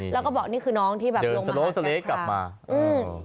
แล้วก็บอกนี่คือน้องที่ลงมากกับน้องกราฟ